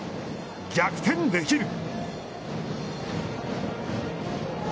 逆転できる。